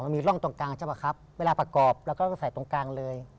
มีร่องตรงกลางใช่ป่ะครับเวลาประกอบเราก็ใส่ตรงกลางเลย